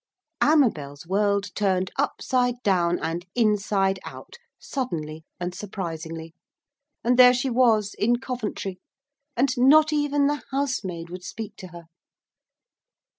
Amabel's world turned upside down and inside out suddenly and surprisingly, and there she was, in Coventry, and not even the housemaid would speak to her.